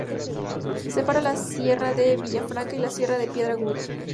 Separa la Sierra de Villafranca y la Sierra de Piedra Aguda.